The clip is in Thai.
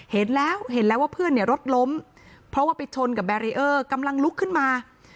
เห็นแล้วเห็นแล้วว่าเพื่อนเนี่ยรถล้มเพราะว่าไปชนกับแบรีเออร์กำลังลุกขึ้นมา